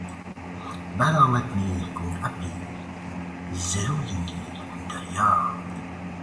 برآمد نیلگون ابری زروی نیلگون دریا